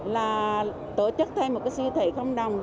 là tổ chức thêm một siêu thị không đồng